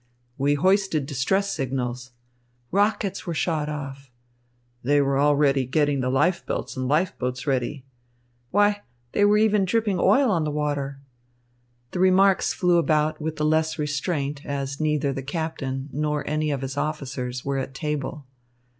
"We hoisted distress signals." "Rockets were shot off." "They were already getting the life belts and life boats ready." "Why, they were even dripping oil on the water." The remarks flew about with the less restraint as neither the captain nor any of his officers were at table.